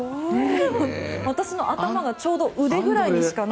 私の頭がちょうど腕ぐらいにしかない。